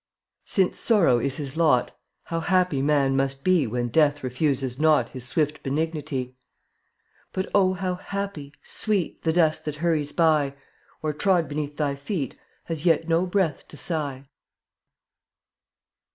Stevens 0un<j Since sorrow is his lot, fytfidt How happy man must be „ When Death refuses not IJ*^' His swift benignity. But, oh, how happy, Sweet, The dust that hurries by, Or, trod beneath thy feet, Has yet no breath to sigh.